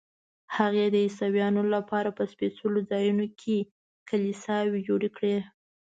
هغې د عیسویانو لپاره په سپېڅلو ځایونو کې کلیساوې جوړې کړې.